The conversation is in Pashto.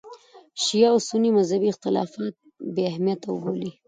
شیعه او سني مذهبي اختلافات بې اهمیته وبولي.